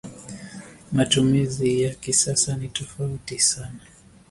Matumizi ya kisasa ni tofauti sana.